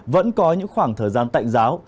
vẫn có những khoảng thời gian tạnh giáo